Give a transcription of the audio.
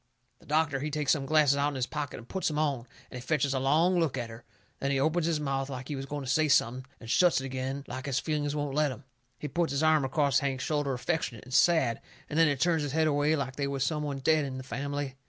The doctor, he takes some glasses out'n his pocket and puts 'em on, and he fetches a long look at her. Then he opens his mouth like he was going to say something, and shuts it agin like his feelings won't let him. He puts his arm across Hank's shoulder affectionate and sad, and then he turns his head away like they was some one dead in the fambly.